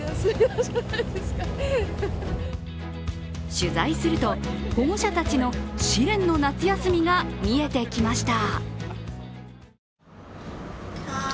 取材すると、保護者たちの試練の夏休みが見えてきました。